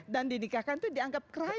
dan dinikahkan tuh dianggap keren loh